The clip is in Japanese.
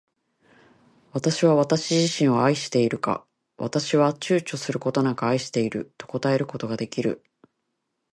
私は私自身を愛しているか。私は躊躇ちゅうちょすることなく愛していると答えることが出来る。